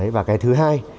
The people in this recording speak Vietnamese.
và cái thứ hai